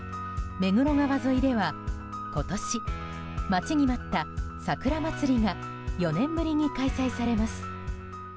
目黒川沿いでは今年、待ちに待った桜まつりが４年ぶりに開催されます。